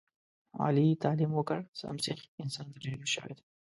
علي تعلیم وکړ سم سیخ انسان ترې جوړ شوی دی.